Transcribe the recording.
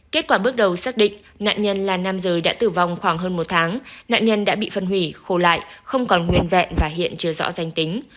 kết quả bước đầu xác định nạn nhân là nam giới đã tử vong khoảng hơn một tháng nạn nhân đã bị phân hủy khô lại không còn nguyên vẹn và hiện chưa rõ danh tính